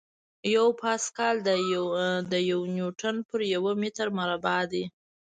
یو پاسکل د یو نیوټن پر یو متر مربع دی.